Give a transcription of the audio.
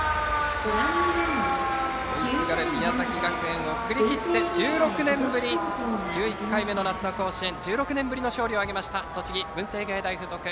追いすがる宮崎学園を振り切って１６年ぶり１１回目の夏の甲子園１６年ぶりの勝利を挙げました栃木・文星芸大付属。